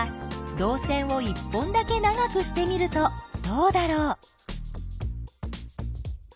どう線を１本だけ長くしてみるとどうだろう？